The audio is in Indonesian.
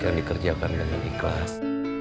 yang dikerjakan dengan ikhlas